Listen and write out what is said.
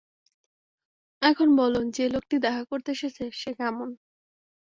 এখন বল, যে- লোকটি দেখা করতে এসেছে, সে কেমন?